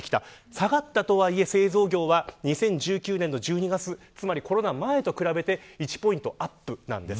下がったとはいえ製造業は２０１９年度１２月コロナ前と比べて１ポイント、アップなんです。